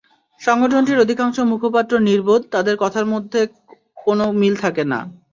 সংগঠনটির অধিকাংশ মুখপাত্র নির্বোধ, তাদের কথার মধ্যেও কোনো মিল থাকে না।